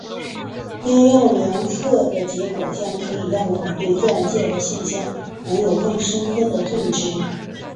应用量测的结果将可以让我们对自然界的现象能有更正确的认知。